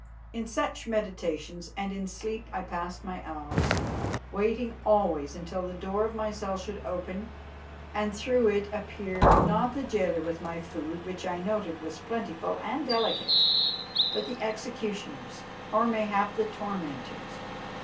In such meditations and in sleep I passed my hours, waiting always until the door of my cell should open and through it appear, not the jailer with my food, which I noted was plentiful and delicate, but the executioners or mayhap the tormentors.